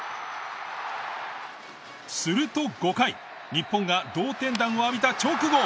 すると５回日本が同点弾を浴びた直後。